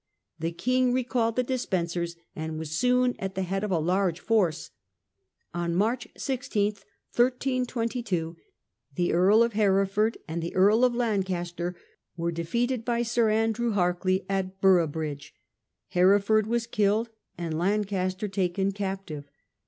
The king recalled the Despensers, and was soon at the head of a large force. The King's On March i6, 1322, the Earl of Hereford triumph, 132a. and the Earl of Lancaster were defeated by Sir Andrew Harclay at Boroughbridge. Hereford was killed and Lancaster taken captive.